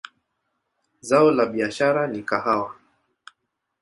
Zao la biashara ni kahawa.